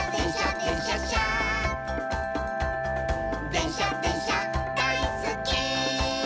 「でんしゃでんしゃだいすっき」